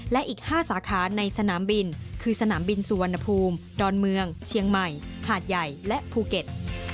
และอีก๕สาขาในสนามบินคือสนามบินสุวรรณภูมิดอนเมืองเชียงใหม่หาดใหญ่และภูเก็ต